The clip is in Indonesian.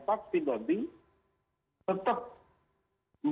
jadi kita tidak bisa mengandalkan